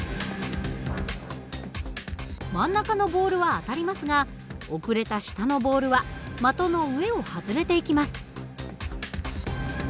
真ん中のボールは当たりますが遅れた下のボールは的の上を外れていきます。